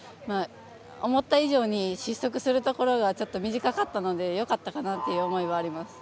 思った以上に失速するところが短かったのでよかったかなという思いはあります。